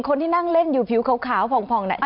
คนที่นั่งเล่นอยู่ผิวเขาผ่านแหละ